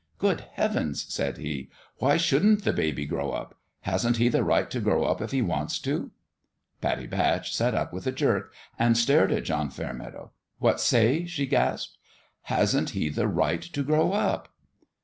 "Good heavens 1" said he, "why shouldn't the baby grow up? Hasn't he the right to grow up if he wants to ?" Pattie Batch sat up with a jerk and stared at John Fairmeadow. " What say ?" she gasped. " Hasn't he the right to grow up